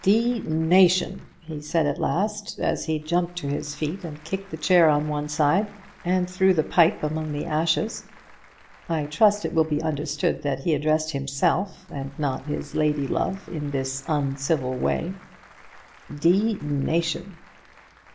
"D tion!" he said at last, as he jumped to his feet and kicked the chair on one side, and threw the pipe among the ashes. I trust it will be understood that he addressed himself, and not his lady love in this uncivil way, "D tion!"